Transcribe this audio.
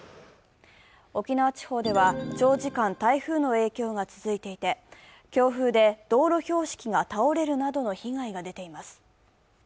沖縄地方では、長時間台風の影響が続いていて、強風で道路標識が倒れるなどの被害が出ています。